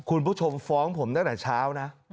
คุณผู้ชมฟ้องผมตั้งแต่เช้านะ